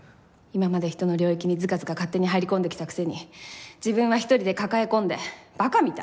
今まで人の領域にズカズカ勝手に入り込んできたくせに自分は一人で抱え込んで馬鹿みたい！